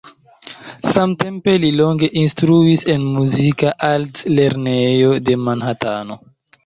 Samtempe li longe instruis en muzika altlernejo de Manhatano.